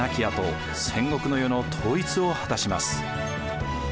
あと戦国の世の統一を果たします。